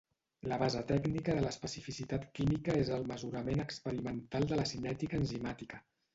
La base tècnica de l'especificitat química és el mesurament experimental de la cinètica enzimàtica.